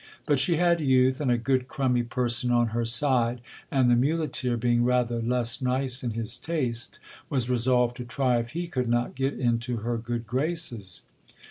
But she had youth and a good crummy person on her side, and the muleteer, being rather less nice in his taste, was resolved to try if he could not get into her good graces.